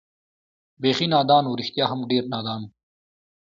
بېخي نادان و، رښتیا هم ډېر نادان و.